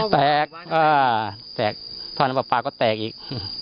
แตกท่อน้ำปลาปลาก็แตกอีก